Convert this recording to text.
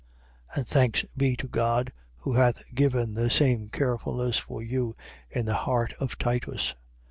8:16. And thanks be to God, who hath given the same carefulness for you in the heart of Titus.